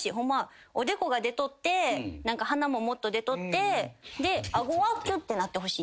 おでこが出とって鼻ももっと出とって顎はきゅってなってほしい。